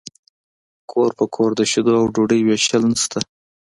کور په کور د شیدو او ډوډۍ ویشل نشته